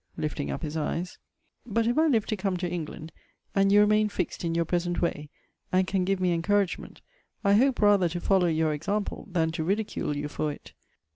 lifting up his eyes 'But if I live to come to England, and you remain fixed in your present way, and can give me encouragement, I hope rather to follow your example, than to ridicule you for it.